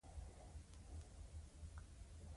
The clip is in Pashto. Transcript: چرته دمیچن په غاړه يوه دردېدلې مېرمن ټپه شوې ده